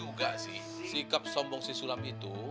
masa lu gak paham juga sih sikap sombong si sulam itu